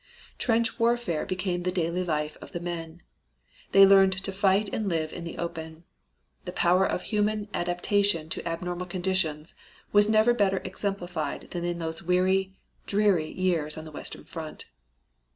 Trench warfare became the daily life of the men. They learned to fight and live in the open. The power of human adaptation to abnormal conditions was never better exemplified than in those weary, dreary years on the western front.